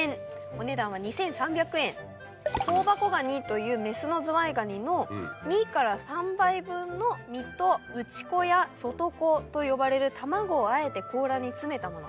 香箱ガニというメスのズワイガニの２から３杯分の身と内子や外子と呼ばれる卵をあえて甲羅に詰めたもの。